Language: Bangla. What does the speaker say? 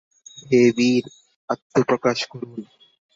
হে বীর, আত্মপ্রকাশ করুন।